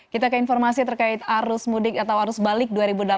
kita ke informasi terkait arus mudik atau arus balik dua ribu delapan belas